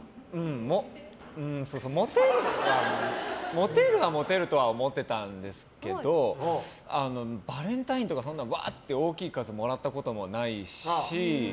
モテるはモテると思ってたんですけどバレンタインとかそんな、うわーって大きい数もらったこともないし。